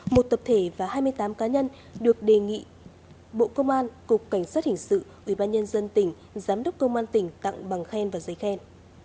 một tập thể và hai mươi tám cá nhân được đề nghị bộ công an cục cảnh sát hình sự ubnd tỉnh giám đốc công an tỉnh tặng bằng khen và giấy khen